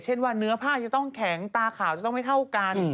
ว่าเนื้อผ้าจะต้องแข็งตาขาวจะต้องไม่เท่ากัน